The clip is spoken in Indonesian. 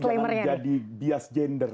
sebenarnya jangan jadi bias gender